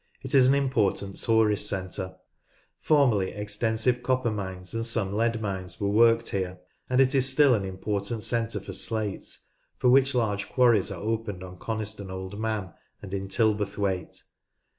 It is an important tourist centre. Formerly extensive copper mines and some lead mines were worked here, and it is still an important centre for slates, for which large quarries are opened on Coniston Old Man and in Tilberthwaite.